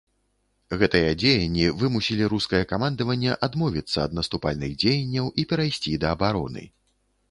Гэтыя дзеянні вымусілі рускае камандаванне адмовіцца ад наступальных дзеянняў і перайсці да абароны.